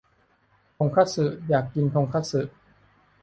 ทงคัตสึ อยากกินทงคัตสึ